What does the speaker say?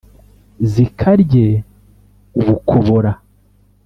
zikarye ubukobora